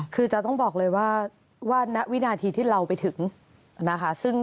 คือจะต้องบอกเลยว่าณวินาทีที่เราไปถึงนะคะ